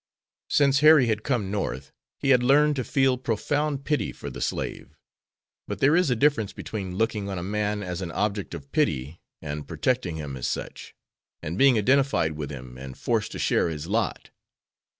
Since Harry had come North he had learned to feel profound pity for the slave. But there is a difference between looking on a man as an object of pity and protecting him as such, and being identified with him and forced to share his lot.